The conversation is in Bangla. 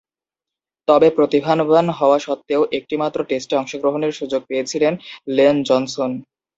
তবে, প্রতিভাবান হওয়া সত্ত্বেও একটিমাত্র টেস্টে অংশগ্রহণের সুযোগ পেয়েছিলেন লেন জনসন।